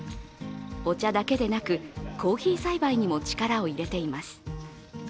お茶だけでなく、コーヒー栽培にも力を入れています。